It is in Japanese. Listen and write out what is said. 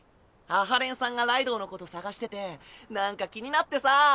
阿波連さんがライドウのこと捜しててなんか気になってさ。